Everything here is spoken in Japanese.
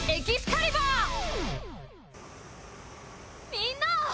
みんな！